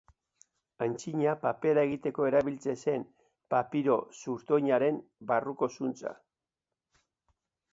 Antzina, papera egiteko erabiltzen zen papiro-zurtoinaren barruko zuntza.